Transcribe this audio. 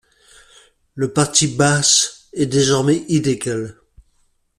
Le parti Baas est désormais illégal.